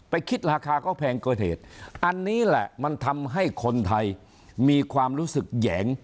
คิดราคาก็แพงเกินเหตุอันนี้แหละมันทำให้คนไทยมีความรู้สึกแหยง